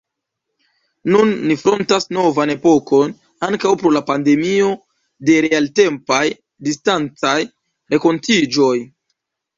Nun ni frontas novan epokon, ankaŭ pro la pandemio, de realtempaj, distancaj renkontiĝoj.